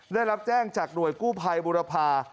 ได้รับแจ้งจากหน่วยกู้ภัยบุรพา